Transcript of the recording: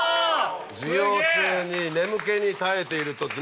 授業中に眠気に耐えている時の顔。